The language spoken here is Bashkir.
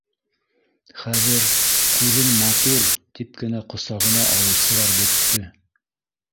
Хәҙер, күҙең матур, тип кенә ҡосағына алыусылар бөттө